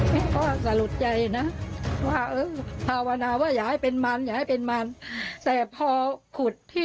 มีชีวช่วยตายต้องรับปวนไว้